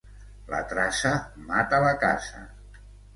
La traça mata la caça.